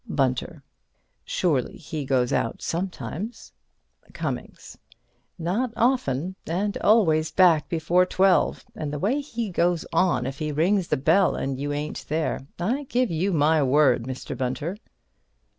Bunter: Surely he goes out sometimes. Cummings: Not often. And always back before twelve. And the way he goes on if he rings the bell and you ain't there. I give you my word, Mr. Bunter.